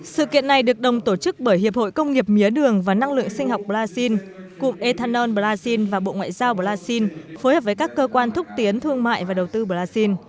sự kiện này được đồng tổ chức bởi hiệp hội công nghiệp mía đường và năng lượng sinh học brazil cụm ethanol brazil và bộ ngoại giao brazil phối hợp với các cơ quan thúc tiến thương mại và đầu tư brazil